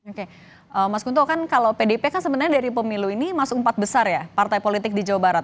oke mas kunto kan kalau pdp kan sebenarnya dari pemilu ini masuk empat besar ya partai politik di jawa barat